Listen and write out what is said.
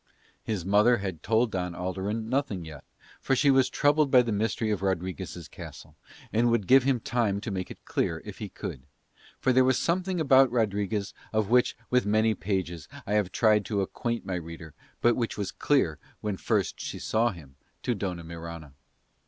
His mother had told Don Alderon nothing yet; for she was troubled by the mystery of Rodriguez' castle, and would give him time to make it clear if he could; for there was something about Rodriguez of which with many pages I have tried to acquaint my reader but which was clear when first she saw him to Dona Mirana.